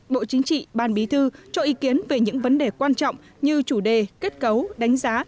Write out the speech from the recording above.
bộ chính trị ban bí thư cho ý kiến về những vấn đề quan trọng như chủ đề kết cấu đánh giá